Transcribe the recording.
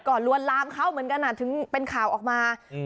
ลวนลามเขาเหมือนกันอ่ะถึงเป็นข่าวออกมาอืม